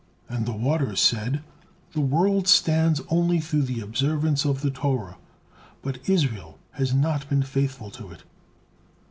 And the waters said: "The world stands only through the observance of the Torah, but Israel has not been faithful to it."